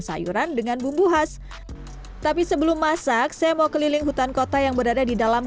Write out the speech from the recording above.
sayuran dengan bumbu khas tapi sebelum masak saya mau keliling hutan kota yang berada di dalam